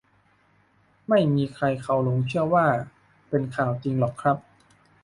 ไม่มีใครเขาหลงเชื่อว่า เป็นข่าวจริงหรอกครับ